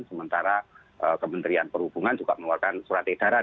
sementara kementerian perhubungan juga mengeluarkan surat edaran